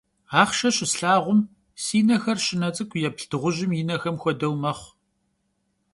Axhşşe şıslhağum si nexer şıne ts'ık'u yêplh dığujım yi nexem xuedeu mexhu.